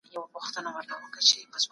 میلاټونین د خوب د ستونزو لپاره کارول کېږي.